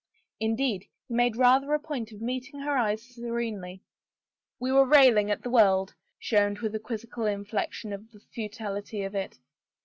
Indeed, he made rather a point of meeting^ her eyes serenely. "We were railing at the world," she owned with a. quizzical inflection at the futility of it.